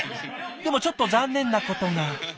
でもちょっと残念なことが。